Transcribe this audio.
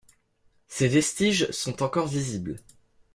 Ses vestiges sont encore visibles.